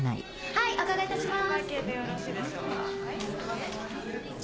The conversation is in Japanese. はいお伺い致します。